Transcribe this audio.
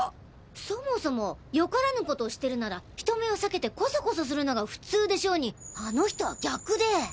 そもそもよからぬことをしてるなら人目を避けてコソコソするのが普通でしょうにあの人は逆で。